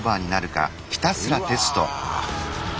うわ。